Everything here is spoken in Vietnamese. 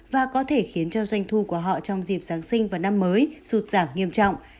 và có thể khiến cho doanh thu của họ trong dịp giáng sinh và năm mới sụt giảm nghiêm trọng